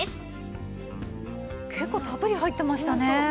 結構たっぷり入ってましたね。